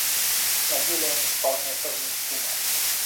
На деле они вполне совместимы.